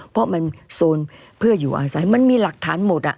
เพราะมันโซนเพื่ออยู่อาศัยมันมีหลักฐานหมดอ่ะ